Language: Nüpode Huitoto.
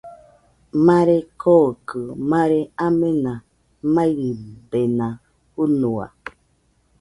Mare kookɨ mare amena maɨridena fɨnua.